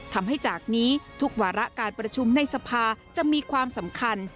จากนี้ทุกวาระการประชุมในสภาจะมีความสำคัญ